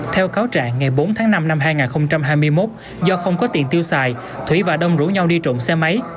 theo cáo trạng ngày bốn tháng năm năm hai nghìn hai mươi một do không có tiền tiêu xài thủy và đông rủ nhau đi trộm xe máy